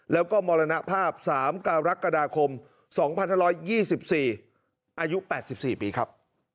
แล้วก็มรณภาพ๓กรกฎาคม๒๕๒๔อายุ๘๔ปีครับ